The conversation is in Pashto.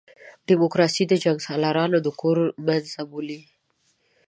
ډیموکراسي د جنګسالارانو د کور مېنځه بولي.